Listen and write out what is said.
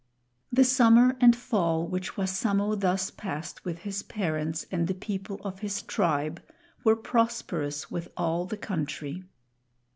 The summer and fall which Wassamo thus passed with his parents and the people of his tribe were prosperous with all the country.